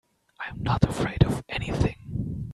I'm not afraid of anything.